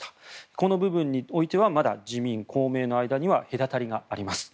この部分においてはまだ自民・公明の間には隔たりがあります。